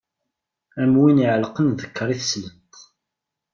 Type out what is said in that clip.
Am win iɛellqen ddekkaṛ i teslent.